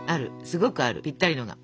すごくあるぴったりのが。